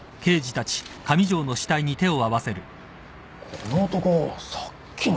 この男さっきの。